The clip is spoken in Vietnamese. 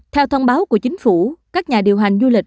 theo thông báo của chính phủ các nhà điều hành du lịch